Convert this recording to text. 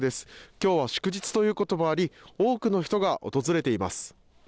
きょうは祝日ということもあり、多くの人が訪れています。